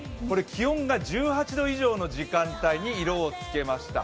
気温が１８度以上の時間帯に色をつけました。